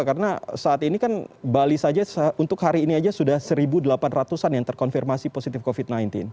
karena saat ini kan bali saja untuk hari ini saja sudah seribu delapan ratus an yang terkonfirmasi positif covid sembilan belas